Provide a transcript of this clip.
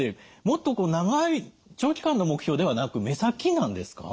もっと長い長期間の目標ではなく目先なんですか？